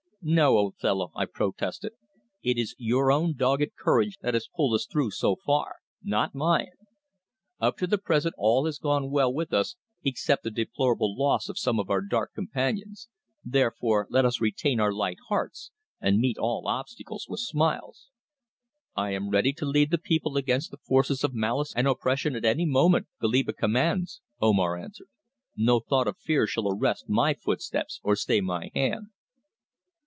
"No, old fellow," I protested. "It is your own dogged courage that has pulled us through so far, not mine. Up to the present all has gone well with us except the deplorable loss of some of our dark companions, therefore let us retain our light hearts and meet all obstacles with smiles." "I am ready to lead the people against the forces of malice and oppression at any moment Goliba commands," Omar answered. "No thought of fear shall arrest my footsteps or stay my hand."